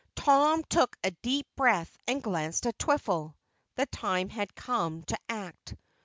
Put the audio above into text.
Tom took a deep breath and glanced at Twiffle. The time had come to act.